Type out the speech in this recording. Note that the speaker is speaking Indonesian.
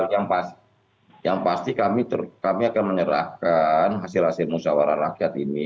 yang pasti kami akan menyerahkan hasil hasil musyawarah rakyat ini